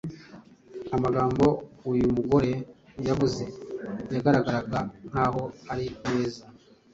Amagambo uyu mugore yavuze yagaragaraga nk’aho ari meza,